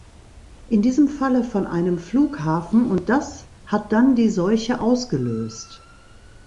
In diesem Falle von einem Flughafen, und das hat dann die Seuche ausgelöst.